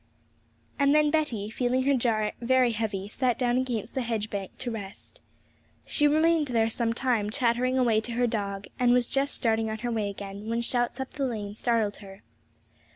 And then Betty, feeling her jar very heavy, sat down against the hedge bank to rest. She remained there some time, chattering away to her dog, and was just starting on her way again, when shouts up the lane startled her.